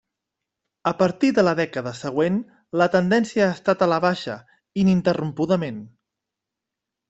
A partir de la dècada següent la tendència ha estat a la baixa ininterrompudament.